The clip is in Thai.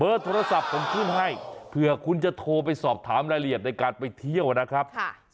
โทรศัพท์ผมขึ้นให้เผื่อคุณจะโทรไปสอบถามรายละเอียดในการไปเที่ยวนะครับ